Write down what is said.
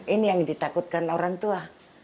ini yang ditakutkan orang tua